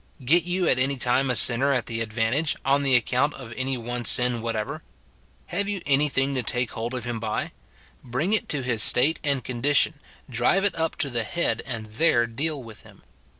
Get you at any time a sinner at the advantage, on the account of any one sin whatever ? have you any thing to take hold of him by? — bring it to his state and condition, drive it up to the head, and there deal with him.